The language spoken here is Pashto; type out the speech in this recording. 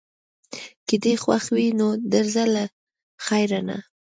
که دې خوښه وي نو درځه له خیره، نه.